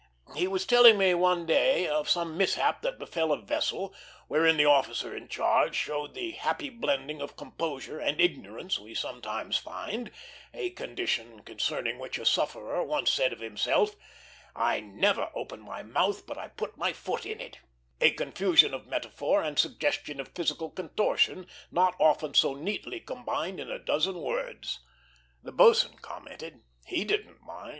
He was telling one day of some mishap that befell a vessel, wherein the officer in charge showed the happy blending of composure and ignorance we sometimes find; a condition concerning which a sufferer once said of himself, "I never open my mouth but I put my foot in it;" a confusion of metaphor, and suggestion of physical contortion, not often so neatly combined in a dozen words. The boatswain commented: "He didn't mind.